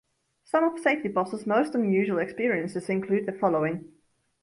Some of Safety Boss' most unusual experiences include the following.